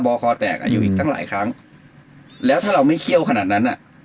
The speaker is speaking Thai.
คอแตกอายุอีกตั้งหลายครั้งแล้วถ้าเราไม่เขี้ยวขนาดนั้นอ่ะ